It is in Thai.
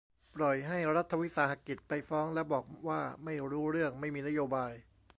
ปล่อยให้รัฐวิสาหกิจไปฟ้อง แล้วบอกว่าไม่รู้เรื่อง ไม่มีนโยบาย